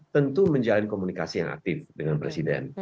tentu menjalin komunikasi yang aktif dengan presiden